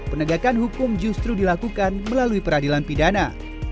penegakan hukum justru dilakukan melalui peradilan pidana